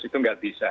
itu tidak bisa